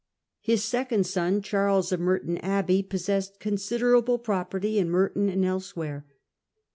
His second son Charles, of Merton Abbey, possessed consider able property in Merton and elsewhere.